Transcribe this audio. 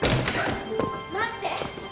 待って！